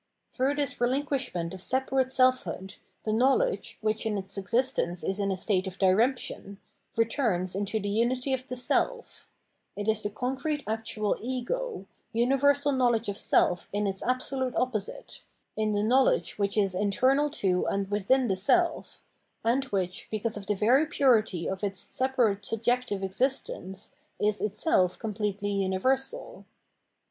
Through this relinquishment of separate self hood, the knowledge, which in its existence is in a state of diremption, returns into the unity of the self ; it is the concrete actual Ego, universal knowledge of self in its absolute opposite, in the knowledge which is internal to and within the self, and which, because of the very purity of its separate subjective existence, is itself completely universal.